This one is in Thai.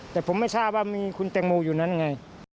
แต่ผมไม่ทราบว่ามีคุณแตงโมอยู่นั้นไง